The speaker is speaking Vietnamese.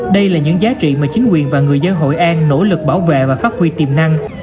đây là những giá trị mà chính quyền và người dân hội an nỗ lực bảo vệ và phát huy tiềm năng